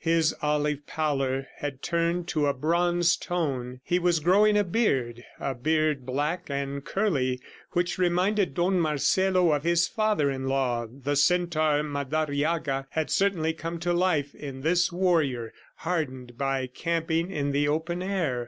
His olive pallor had turned to a bronze tone. He was growing a beard, a beard black and curly, which reminded Don Marcelo of his father in law. The centaur, Madariaga, had certainly come to life in this warrior hardened by camping in the open air.